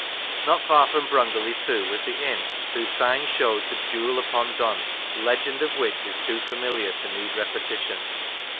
Not far from Brungerley, too, was the inn whose sign showed the Dule upon Dun, the legend of which is too familiar to need repetition.